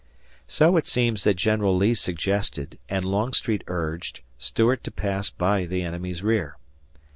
So it seems that General Lee suggested, and Longstreet urged, Stuart to pass by the enemy's rear.